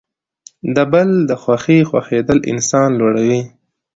د بل د خوښۍ خوښیدل انسان لوړوي.